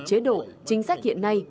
chế độ chính sách hiện nay